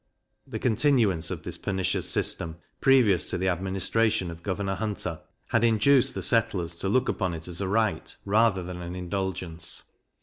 The continuance of this pernicious system, previous to the administration of Governor Hunter, had induced the settlers to look upon it as a right, rather than an indulgence.